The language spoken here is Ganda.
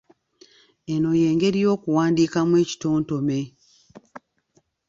Eno y'engeri y’okuwandiikamu ekitontome